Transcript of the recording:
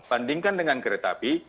bandingkan dengan keretapi